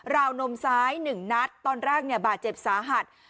วนมซ้าย๑นัดตอนแรกเนี่ยบาดเจ็บสาหัส